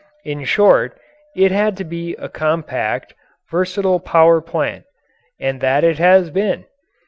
In short, it had to be a compact, versatile power plant. And that it has been.